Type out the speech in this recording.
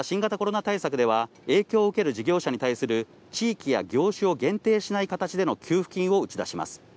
また新型コロナ対策では影響を受ける事業者に対する地域や業種を限定しない形での給付金を打ち出します。